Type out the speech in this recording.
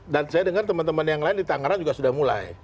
dan saya dengar teman teman yang lain di tangerang juga sudah mulai